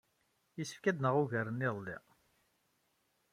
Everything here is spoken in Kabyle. Yessefk ad neg ugar n yiḍelli.